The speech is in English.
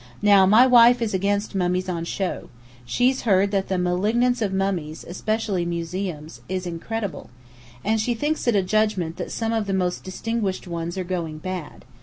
Now, my wife is against mummies on show. She's heard that the malignance of mummies, especially in museums, is incredible. And she thinks it a judgment that some of the most distinguished ones are going bad.